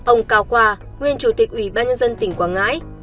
ông cao quà nguyên chủ tịch ủy ban nhân dân tỉnh quảng ngãi